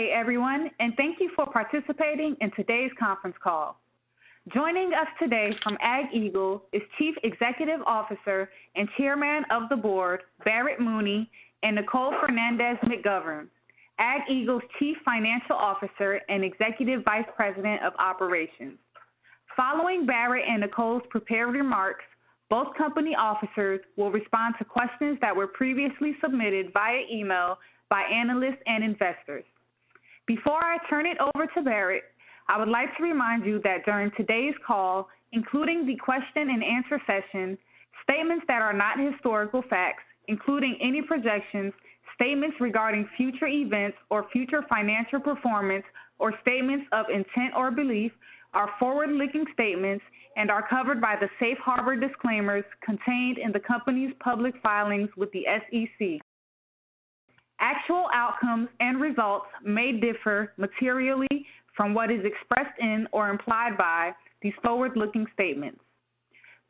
Good day, everyone, and thank you for participating in today's conference call. Joining us today from AgEagle is Chief Executive Officer and Chairman of the Board, Barrett Mooney, and Nicole Fernandez-McGovern, AgEagle's Chief Financial Officer and Executive Vice President of Operations. Following Barrett and Nicole's prepared remarks, both company officers will respond to questions that were previously submitted via email by analysts and investors. Before I turn it over to Barrett, I would like to remind you that during today's call, including the question and answer session, statements that are not historical facts, including any projections, statements regarding future events or future financial performance or statements of intent or belief, are forward-looking statements and are covered by the safe harbor disclaimers contained in the company's public filings with the SEC. Actual outcomes and results may differ materially from what is expressed in or implied by these forward-looking statements.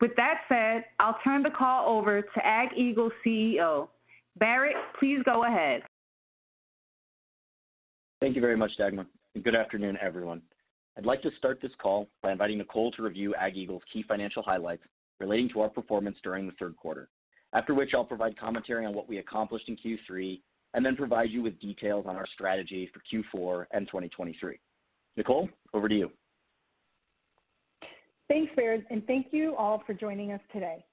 With that said, I'll turn the call over to AgEagle's CEO. Barrett, please go ahead. Thank you very much, Dagmar, and good afternoon, everyone. I'd like to start this call by inviting Nicole to review AgEagle's key financial highlights relating to our performance during the third quarter. After which, I'll provide commentary on what we accomplished in Q3, and then provide you with details on our strategy for Q4 and 2023. Nicole, over to you. Thanks, Barrett, and thank you all for joining us today.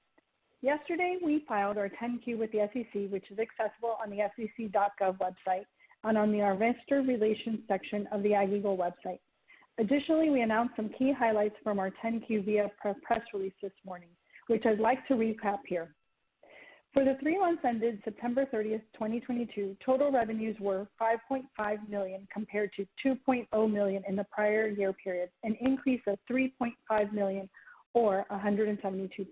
Yesterday, we filed our Form 10-Q with the SEC, which is accessible on the sec.gov website and on the investor relations section of the AgEagle website. Additionally, we announced some key highlights from our Form 10-Q via press release this morning, which I'd like to recap here. For the three months ended September 30th, 2022, total revenues were $5.5 million compared to $2.0 million in the prior year period, an increase of $3.5 million or 172%.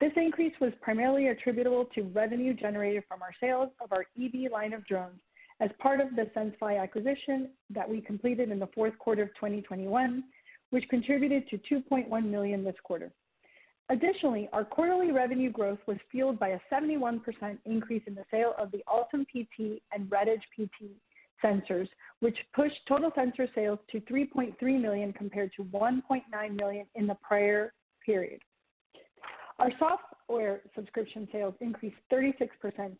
This increase was primarily attributable to revenue generated from our sales of our eBee line of drones as part of the senseFly acquisition that we completed in the fourth quarter of 2021, which contributed to $2.1 million this quarter. Additionally, our quarterly revenue growth was fueled by a 71% increase in the sale of the Altum PT and RedEdge P sensors, which pushed total sensor sales to $3.3 million compared to $1.9 million in the prior period. Our software subscription sales increased 36%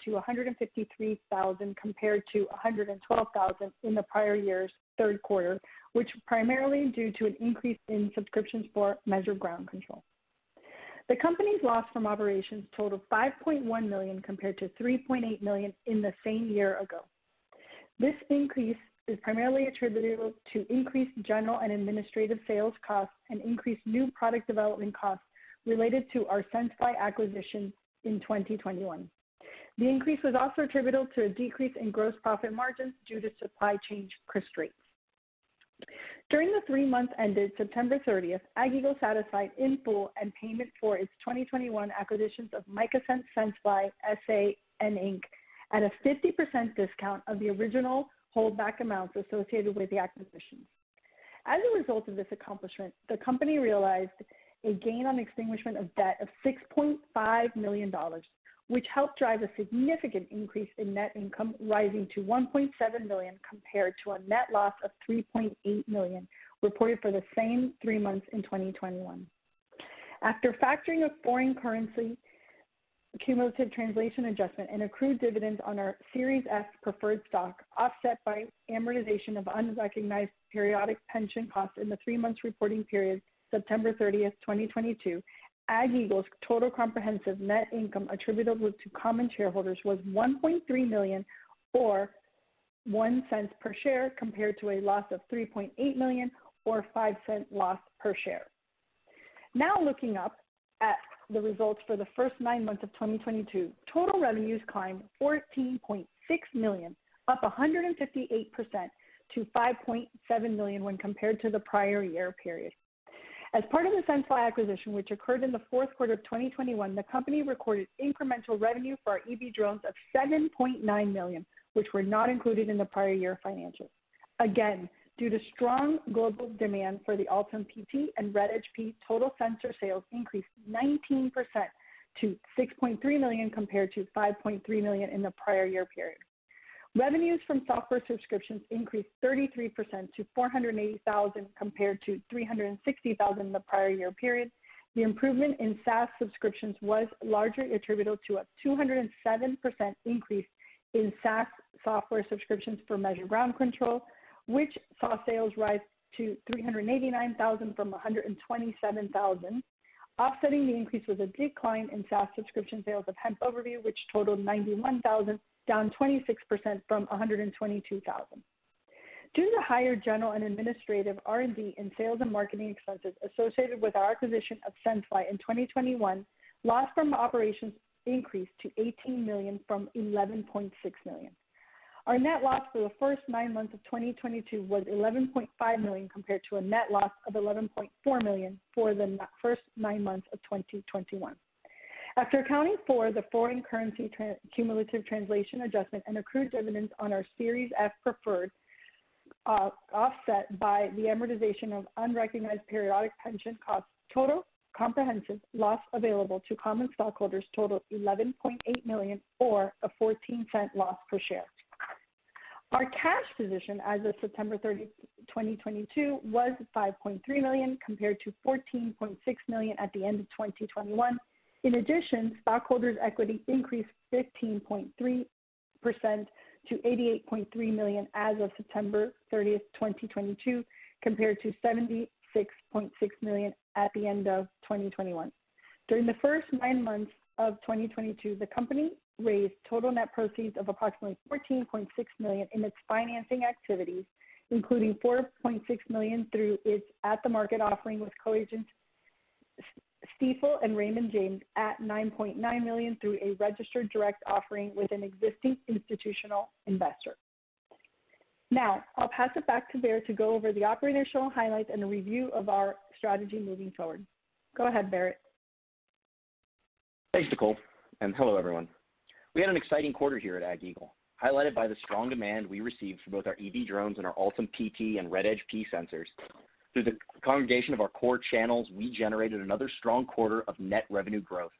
to $153,000 compared to $112,000 in the prior year's third quarter, which primarily due to an increase in subscriptions for Measure Ground Control. The company's loss from operations totaled $5.1 million compared to $3.8 million in the same year ago. This increase is primarily attributable to increased general and administrative sales costs and increased new product development costs related to our senseFly acquisition in 2021. The increase was also attributable to a decrease in gross profit margins due to supply chain constraints. During the three months ended September thirtieth, AgEagle satisfied in full the payment for its 2021 acquisitions of MicaSense and senseFly SA. At a 50% discount of the original holdback amounts associated with the acquisitions. As a result of this accomplishment, the company realized a gain on extinguishment of debt of $6.5 million, which helped drive a significant increase in net income, rising to $1.7 million, compared to a net loss of $3.8 million reported for the same three months in 2021. After factoring a foreign currency cumulative translation adjustment and accrued dividends on our Series F Preferred Stock, offset by amortization of unrecognized periodic pension costs in the three-month reporting period September 30th, 2022, AgEagle's total comprehensive net income attributable to common shareholders was $1.3 million or $0.01 per share, compared to a loss of $3.8 million or $0.05 loss per share. Now looking at the results for the first nine months of 2022. Total revenues climbed $14.6 million, up 158% to $5.7 million when compared to the prior year period. As part of the senseFly acquisition, which occurred in the fourth quarter of 2021, the company recorded incremental revenue for our eBee drones of $7.9 million, which were not included in the prior year financials. Again, due to strong global demand for the Altum-PT and RedEdge-P, total sensor sales increased 19% to $6.3 million compared to $5.3 million in the prior year period. Revenues from software subscriptions increased 33% to $480,000 compared to $360,000 in the prior year period. The improvement in SaaS subscriptions was largely attributable to a 207% increase in SaaS software subscriptions for Measure Ground Control, which saw sales rise to $389,000 from $127,000. Offsetting the increase was a decline in SaaS subscription sales of HempOverview, which totaled $91,000, down 26% from $122,000. Due to higher general and administrative, R&D, and sales and marketing expenses associated with our acquisition of senseFly in 2021, loss from operations increased to $18 million from $11.6 million. Our net loss for the first nine months of 2022 was $11.5 million compared to a net loss of $11.4 million for the first nine months of 2021. After accounting for the foreign currency cumulative translation adjustment and accrued dividends on our Series F preferred, offset by the amortization of unrecognized periodic pension costs. Total comprehensive loss available to common stockholders totaled $11.8 million or a $0.14 loss per share. Our cash position as of September 30th, 2022 was $5.3 million, compared to $14.6 million at the end of 2021. In addition, stockholders' equity increased 15.3% to $88.3 million as of September 30th, 2022, compared to $76.6 million at the end of 2021. During the first nine months of 2022, the company raised total net proceeds of approximately $14.6 million in its financing activities, including $4.6 million through its at-the-market offering with co-agents Stifel and Raymond James at $9.9 million through a registered direct offering with an existing institutional investor. Now, I'll pass it back to Barrett to go over the operational highlights and a review of our strategy moving forward. Go ahead, Barrett. Thanks, Nicole, and hello, everyone. We had an exciting quarter here at AgEagle, highlighted by the strong demand we received for both our eBee drones and our Altum-PT and RedEdge-P sensors. Through the integration of our core channels, we generated another strong quarter of net revenue growth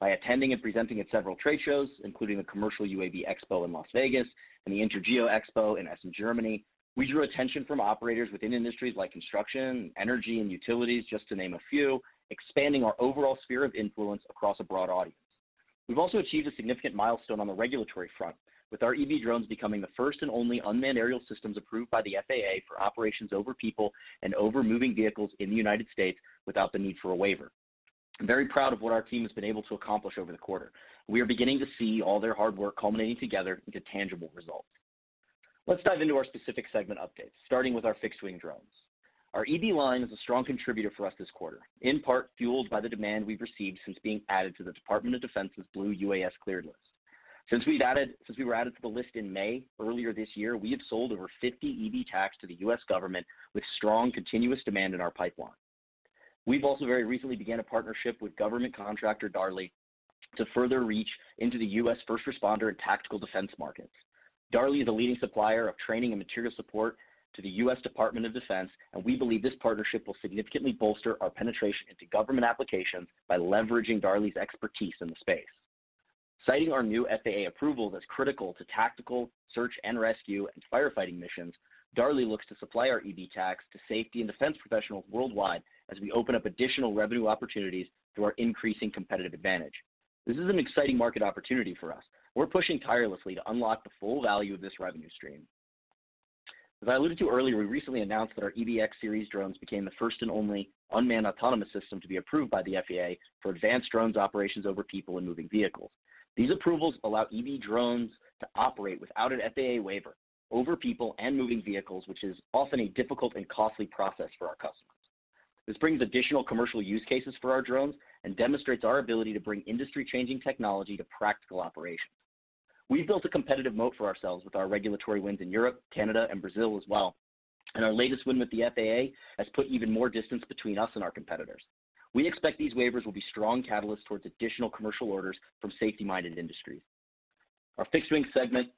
by attending and presenting at several trade shows, including the Commercial UAV Expo in Las Vegas and the INTERGEO Expo in Essen, Germany. We drew attention from operators within industries like construction, energy, and utilities, just to name a few, expanding our overall sphere of influence across a broad audience. We've also achieved a significant milestone on the regulatory front, with our eBee drones becoming the first and only unmanned aerial systems approved by the FAA for operations over people and over moving vehicles in the United States without the need for a waiver. I'm very proud of what our team has been able to accomplish over the quarter. We are beginning to see all their hard work culminating together into tangible results. Let's dive into our specific segment updates, starting with our fixed-wing drones. Our eBee line is a strong contributor for us this quarter, in part fueled by the demand we've received since being added to the Department of Defense's Blue UAS cleared list. Since we were added to the list in May earlier this year, we have sold over 50 eBee TACs to the U.S. government with strong continuous demand in our pipeline. We've also very recently began a partnership with government contractor Darley to further reach into the U.S. first responder and tactical defense markets. Darley is a leading supplier of training and material support to the U.S. Department of Defense, and we believe this partnership will significantly bolster our penetration into government applications by leveraging Darley's expertise in the space. Citing our new FAA approval that's critical to tactical search and rescue and firefighting missions, Darley looks to supply our eBee TACs to safety and defense professionals worldwide as we open up additional revenue opportunities through our increasing competitive advantage. This is an exciting market opportunity for us. We're pushing tirelessly to unlock the full value of this revenue stream. As I alluded to earlier, we recently announced that our eBee X series drones became the first and only unmanned autonomous system to be approved by the FAA for advanced drone operations over people and moving vehicles. These approvals allow eBee drones to operate without an FAA waiver over people and moving vehicles, which is often a difficult and costly process for our customers. This brings additional commercial use cases for our drones and demonstrates our ability to bring industry-changing technology to practical operations. We've built a competitive moat for ourselves with our regulatory wins in Europe, Canada and Brazil as well. Our latest win with the FAA has put even more distance between us and our competitors. We expect these waivers will be strong catalysts towards additional commercial orders from safety-minded industries. Our fixed-wing segment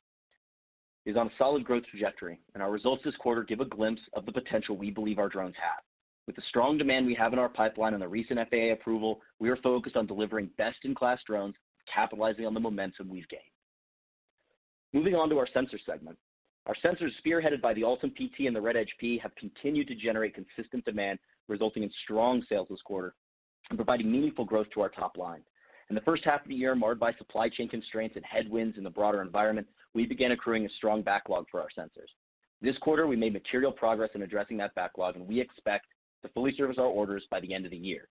is on a solid growth trajectory, and our results this quarter give a glimpse of the potential we believe our drones have. With the strong demand we have in our pipeline and the recent FAA approval, we are focused on delivering best-in-class drones, capitalizing on the momentum we've gained. Moving on to our sensor segment. Our sensors, spearheaded by the Altum-PT and the RedEdge-P, have continued to generate consistent demand, resulting in strong sales this quarter and providing meaningful growth to our top line. In the first half of the year, marred by supply chain constraints and headwinds in the broader environment, we began accruing a strong backlog for our sensors. This quarter, we made material progress in addressing that backlog, and we expect to fully service our orders by the end of the year.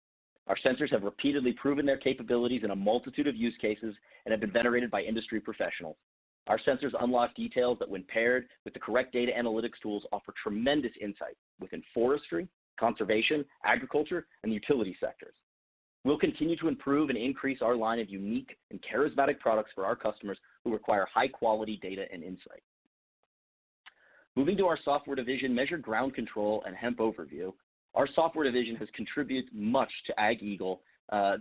Our sensors have repeatedly proven their capabilities in a multitude of use cases and have been venerated by industry professionals. Our sensors unlock details that, when paired with the correct data analytics tools, offer tremendous insight within forestry, conservation, agriculture, and the utility sectors. We'll continue to improve and increase our line of unique and charismatic products for our customers who require high-quality data and insight. Moving to our software division, Measure Ground Control and HempOverview. Our software division has contributed much to AgEagle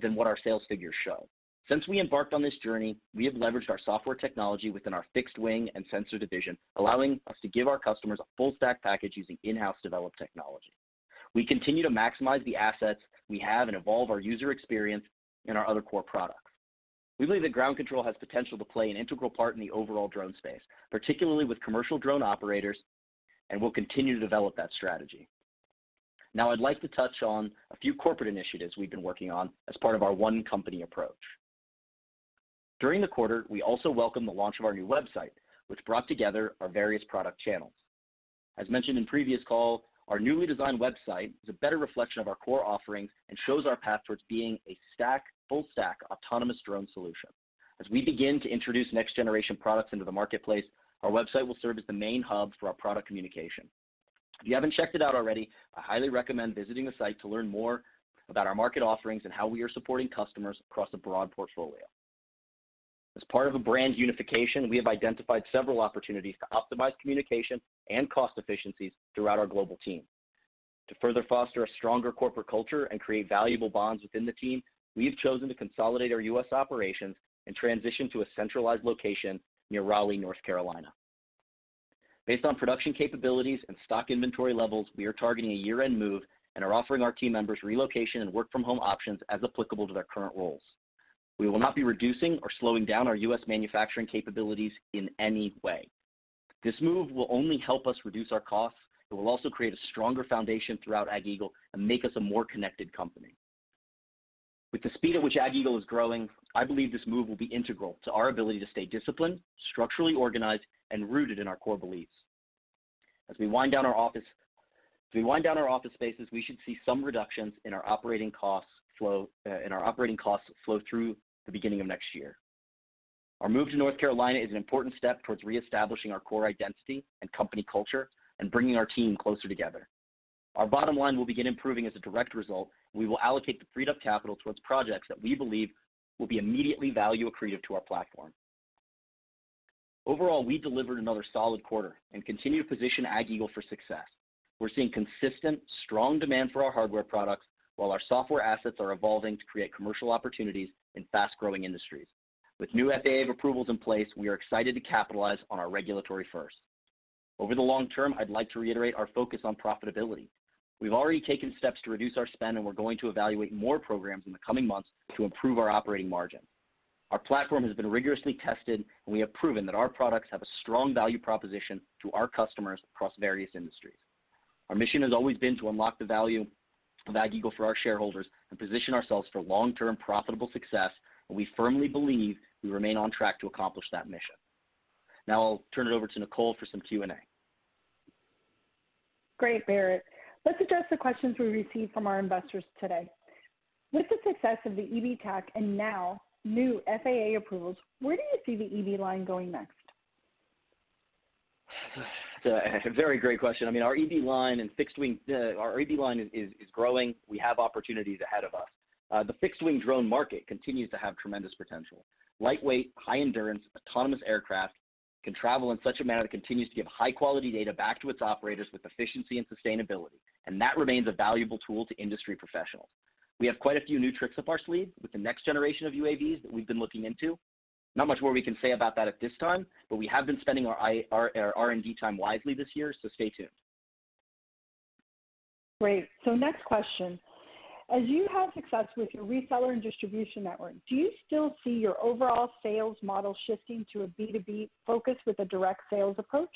than what our sales figures show. Since we embarked on this journey, we have leveraged our software technology within our fixed-wing and sensor division, allowing us to give our customers a full-stack package using in-house developed technology. We continue to maximize the assets we have and evolve our user experience in our other core products. We believe that Ground Control has potential to play an integral part in the overall drone space, particularly with commercial drone operators, and we'll continue to develop that strategy. Now, I'd like to touch on a few corporate initiatives we've been working on as part of our One Company approach. During the quarter, we also welcomed the launch of our new website, which brought together our various product channels. As mentioned in previous call, our newly designed website is a better reflection of our core offerings and shows our path towards being a full-stack autonomous drone solution. As we begin to introduce next-generation products into the marketplace, our website will serve as the main hub for our product communication. If you haven't checked it out already, I highly recommend visiting the site to learn more about our market offerings and how we are supporting customers across a broad portfolio. As part of a brand unification, we have identified several opportunities to optimize communication and cost efficiencies throughout our global team. To further foster a stronger corporate culture and create valuable bonds within the team, we have chosen to consolidate our U.S. operations and transition to a centralized location near Raleigh, North Carolina. Based on production capabilities and stock inventory levels, we are targeting a year-end move and are offering our team members relocation and work from home options as applicable to their current roles. We will not be reducing or slowing down our U.S. manufacturing capabilities in any way. This move will only help us reduce our costs. It will also create a stronger foundation throughout AgEagle and make us a more connected company. With the speed at which AgEagle is growing, I believe this move will be integral to our ability to stay disciplined, structurally organized, and rooted in our core beliefs. As we wind down our office spaces, we should see some reductions in our operating costs flow through the beginning of next year. Our move to North Carolina is an important step towards reestablishing our core identity and company culture and bringing our team closer together. Our bottom line will begin improving as a direct result. We will allocate the freed up capital towards projects that we believe will be immediately value accretive to our platform. Overall, we delivered another solid quarter and continue to position AgEagle for success. We're seeing consistent, strong demand for our hardware products while our software assets are evolving to create commercial opportunities in fast-growing industries. With new FAA approvals in place, we are excited to capitalize on our regulatory firsts. Over the long term, I'd like to reiterate our focus on profitability. We've already taken steps to reduce our spend, and we're going to evaluate more programs in the coming months to improve our operating margin. Our platform has been rigorously tested, and we have proven that our products have a strong value proposition to our customers across various industries. Our mission has always been to unlock the value of AgEagle for our shareholders and position ourselves for long-term profitable success, and we firmly believe we remain on track to accomplish that mission. Now I'll turn it over to Nicole for some Q&A. Great, Barrett. Let's address the questions we received from our investors today. With the success of the eVTOL and now new FAA approvals, where do you see the eV line going next? A very great question. I mean, our eBee line and fixed-wing, our eBee line is growing. We have opportunities ahead of us. The fixed-wing drone market continues to have tremendous potential. Lightweight, high-endurance, autonomous aircraft can travel in such a manner that continues to give high-quality data back to its operators with efficiency and sustainability, and that remains a valuable tool to industry professionals. We have quite a few new tricks up our sleeve with the next generation of UAVs that we've been looking into. Not much more we can say about that at this time, but we have been spending our R&D time wisely this year, so stay tuned. Great. Next question. As you have success with your reseller and distribution network, do you still see your overall sales model shifting to a B2B focus with a direct sales approach?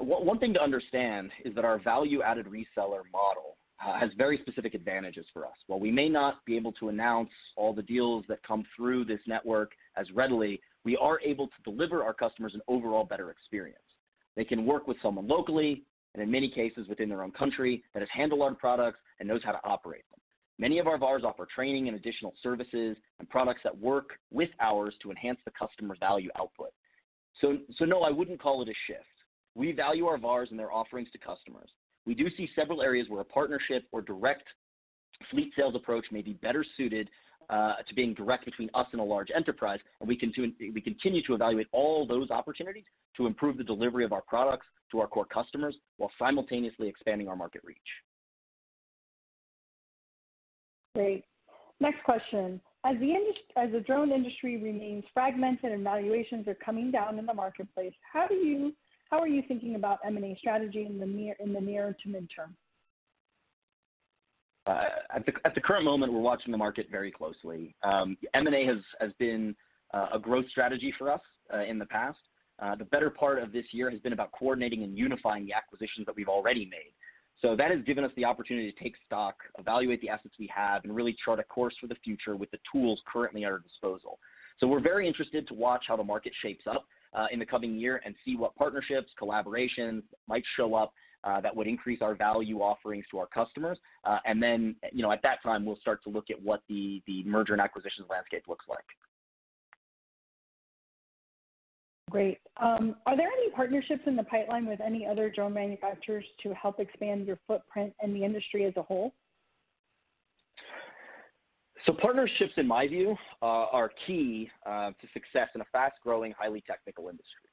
One thing to understand is that our value-added reseller model has very specific advantages for us. While we may not be able to announce all the deals that come through this network as readily, we are able to deliver our customers an overall better experience. They can work with someone locally, and in many cases within their own country, that has handled our products and knows how to operate them. Many of our VARs offer training and additional services and products that work with ours to enhance the customer value output. So no, I wouldn't call it a shift. We value our VARs and their offerings to customers. We do see several areas where a partnership or direct fleet sales approach may be better suited to being direct between us and a large enterprise, and we continue to evaluate all those opportunities to improve the delivery of our products to our core customers while simultaneously expanding our market reach. Great. Next question. As the drone industry remains fragmented and valuations are coming down in the marketplace, how are you thinking about M&A strategy in the near to mid-term? At the current moment, we're watching the market very closely. M&A has been a growth strategy for us in the past. The better part of this year has been about coordinating and unifying the acquisitions that we've already made. That has given us the opportunity to take stock, evaluate the assets we have, and really chart a course for the future with the tools currently at our disposal. We're very interested to watch how the market shapes up in the coming year and see what partnerships, collaborations might show up that would increase our value offerings to our customers. You know, at that time, we'll start to look at what the merger and acquisitions landscape looks like. Great. Are there any partnerships in the pipeline with any other drone manufacturers to help expand your footprint in the industry as a whole? Partnerships, in my view, are key to success in a fast-growing, highly technical industry.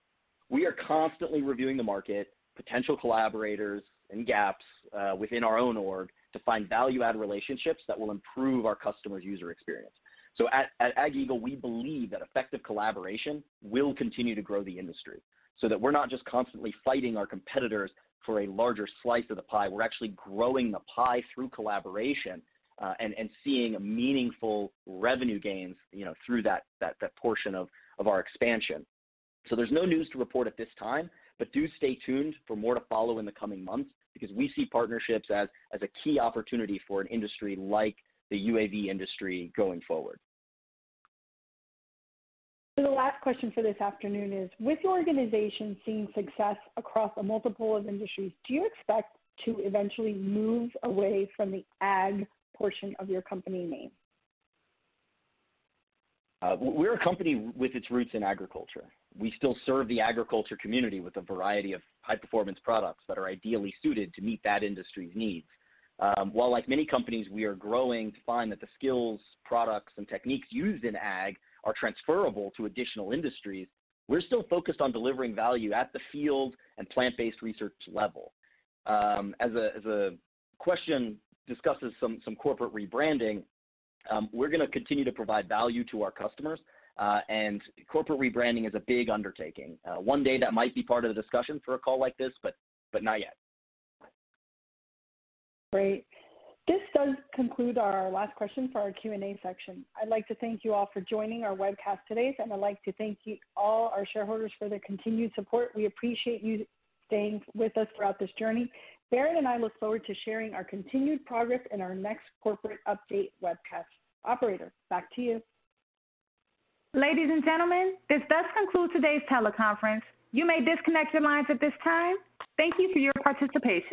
We are constantly reviewing the market, potential collaborators and gaps within our own org to find value-add relationships that will improve our customers' user experience. At AgEagle, we believe that effective collaboration will continue to grow the industry, so that we're not just constantly fighting our competitors for a larger slice of the pie. We're actually growing the pie through collaboration and seeing meaningful revenue gains, you know, through that portion of our expansion. There's no news to report at this time, but do stay tuned for more to follow in the coming months because we see partnerships as a key opportunity for an industry like the UAV industry going forward. The last question for this afternoon is, with the organization seeing success across a multiple of industries, do you expect to eventually move away from the ag portion of your company name? We're a company with its roots in agriculture. We still serve the agriculture community with a variety of high-performance products that are ideally suited to meet that industry's needs. While like many companies, we are growing to find that the skills, products, and techniques used in ag are transferable to additional industries, we're still focused on delivering value at the field and plant-based research level. As a question discusses some corporate rebranding, we're gonna continue to provide value to our customers, and corporate rebranding is a big undertaking. One day that might be part of the discussion for a call like this, but not yet. Great. This does conclude our last question for our Q&A section. I'd like to thank you all for joining our webcast today, and I'd like to thank you, all our shareholders for their continued support. We appreciate you staying with us throughout this journey. Barrett and I look forward to sharing our continued progress in our next corporate update webcast. Operator, back to you. Ladies and gentlemen, this does conclude today's teleconference. You may disconnect your lines at this time. Thank you for your participation.